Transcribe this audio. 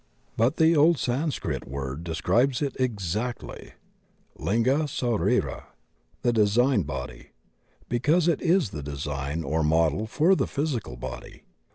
But the old Sanscrit word de scribes it exactly — Linga Sarira, the design body — because it is the design or model for the physical body.